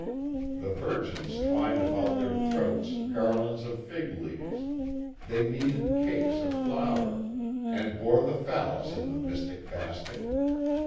The virgins twined about their throats garlands of fig leaves, they kneaded cakes of flour, and bore the Phallus in the mystic basket.